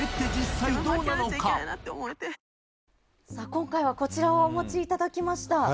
今回はこちらをお持ちいただきました。